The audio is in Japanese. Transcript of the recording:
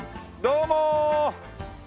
どうも！